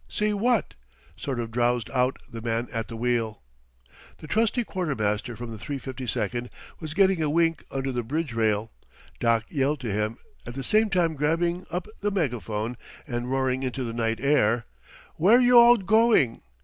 "See what?" sort of drowsed out the man at the wheel. The trusty quartermaster from the 352 was getting a wink under the bridge rail. Doc yelled to him, at the same time grabbing up the megaphone and roaring into the night air: "Where you all going?